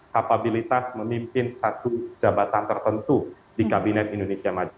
kapabilitas memimpin satu jabatan tertentu di kabinet indonesia maju